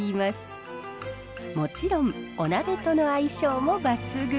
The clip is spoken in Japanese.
もちろんお鍋との相性も抜群。